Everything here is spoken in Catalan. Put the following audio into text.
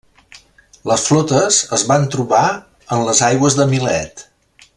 Les flotes es van trobar en les aigües de Milet.